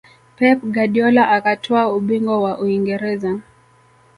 Pep Guardiola akatwaa ubingwa wa Uingereza